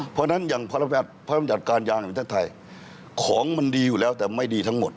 เพราะฉะนั้นอย่างภารกิจการยางอินทรัฐไทยของมันดีอยู่แล้วแต่ไม่ดีทั้งหมด